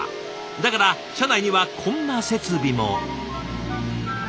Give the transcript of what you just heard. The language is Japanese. だから社内にはこんな設備も。